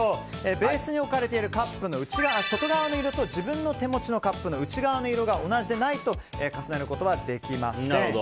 ベースに置かれているカップの外側の色と自分の手持ちのカップの色が同じでないと重ねることはできません。